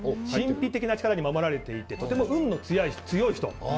神秘的な力に守られていてとても運の強い人。